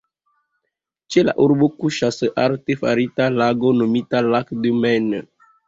Ĉe la urbo kuŝas artefarita lago nomita "Lac de Maine".